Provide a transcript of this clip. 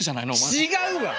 違うわ！